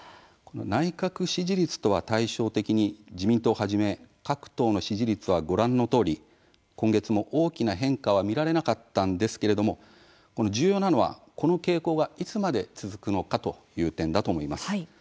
内閣支持率とは対照的に自民党をはじめ、各党の支持率はご覧のとおり今月も大きな変化は見られなかったんですけれども重要なのはこの傾向がいつまで続くのかという点だと思います。